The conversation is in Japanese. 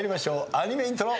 アニメイントロ。